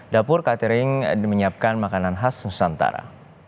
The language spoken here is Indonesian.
dapur catering menyiapkan makanan khas nusantara